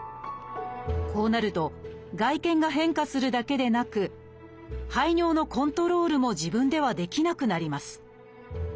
こうなると外見が変化するだけでなく排尿のコントロールも自分ではできなくなります